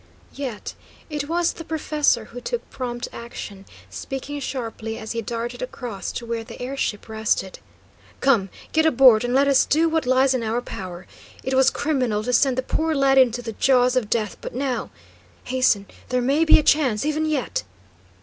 Yet it was the professor who took prompt action, speaking sharply as he darted across to where the air ship rested: "Come; get aboard, and let us do what lies in our power. It was criminal to send the poor lad into the jaws of death, but now hasten, there may be a chance, even yet!"